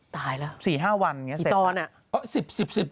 ตายแล้ว๔๕วันเสร็จ